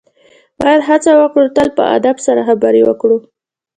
باید هڅه وکړو تل په ادب سره خبرې وکړو.